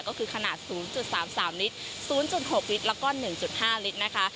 ก็คือขนาด๐๓๓ลิตร๐๖ลิตรแล้วก็๑๕ลิตรนะคะ